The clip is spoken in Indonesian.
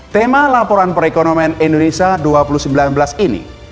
tema laporan perekonomian indonesia dua ribu sembilan belas ini